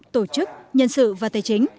tổ chức nhân sự và tài chính